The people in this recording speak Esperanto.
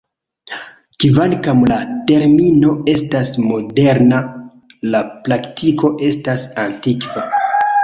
Kvankam la termino estas moderna, la praktiko estas antikva.